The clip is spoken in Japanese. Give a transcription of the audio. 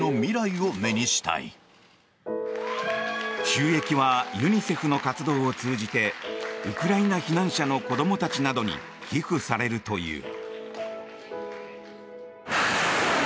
収益はユニセフの活動を通じてウクライナ避難者の子どもたちなどに寄付されるという。